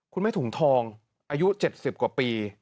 คุณแม่ถุงทองอายุ๗๐กว่าปี